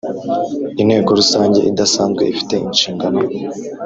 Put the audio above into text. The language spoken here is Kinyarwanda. Inteko Rusange idasanzwe ifite inshingano